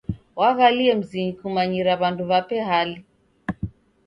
Wagalie mzinyi kumanyira w'andu w'ape hali.